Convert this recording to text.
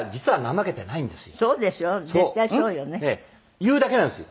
言うだけなんですよ。